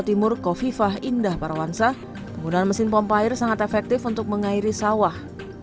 timur kofifah indah parawansa penggunaan mesin pompa air sangat efektif untuk mengairi sawah